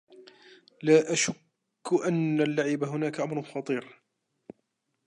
لا شكّ أنّ اللّعب هناك أمر خطير.